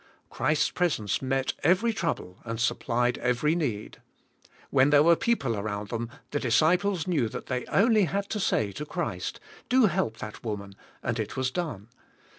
Christ's pres ence met every trouble and supplied every need. When there were people around them the disciples knew that they had only to say to Christ, "Do help that woman," and it was done.